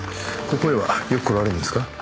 ここへはよく来られるんですか？